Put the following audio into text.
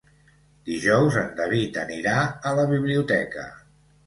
Dijous en David anirà a la biblioteca.